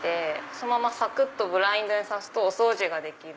そのままブラインドに差すとお掃除ができる。